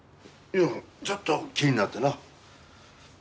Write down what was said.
いやちょっと気になってな。